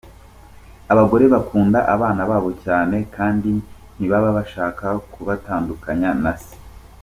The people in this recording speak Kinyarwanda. Abagore bakunda abana babo cyane kandi ntibaba bashaka kubatandukanya na se.